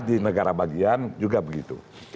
di negara bagian juga begitu